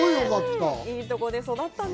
いいとこで育ったね。